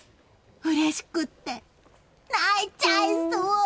うれしくて泣いちゃいそう！